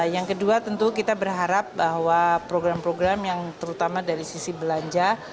yang kedua tentu kita berharap bahwa program program yang terutama dari sisi belanja